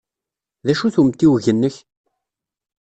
D acu-t umtiweg-nnek?